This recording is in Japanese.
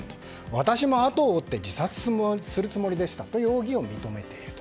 私もあとを追って自殺するつもりでしたと容疑を認めていると。